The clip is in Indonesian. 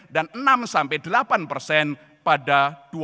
dan enam sampai delapan persen pada dua ribu dua puluh dua